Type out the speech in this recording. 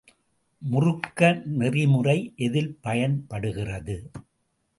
முறுக்க நெறிமுறை எதில் பயன்படுகிறது?